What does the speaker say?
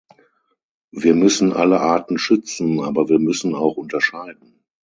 Wir müssen alle Arten schützen, aber wir müssen auch unterscheiden.